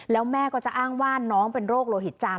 แล้วแม่ก็จะอ้างว่าน้องเป็นโรคโลหิตจาง